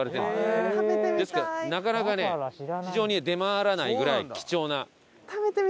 ですからなかなかね市場に出回らないぐらい貴重な。